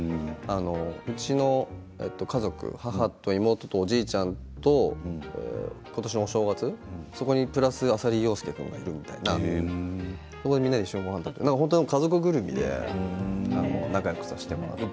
うちの家族、母と妹とおじいちゃんと今年のお正月、そこにプラス浅利陽介がいるみたいな一緒にごはんを食べて家族ぐるみで仲よくさせてもらっています。